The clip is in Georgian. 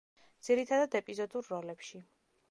ძირითადად ეპიზოდურ როლებში.